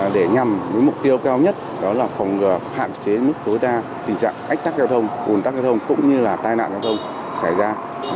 để nhằm mục tiêu cao nhất đó là phòng hạn chế mức tối đa tình trạng ách tắc giao thông ủn tắc giao thông cũng như là tai nạn giao thông xảy ra